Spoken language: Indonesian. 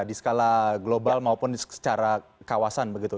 di skala global maupun secara kawasan begitu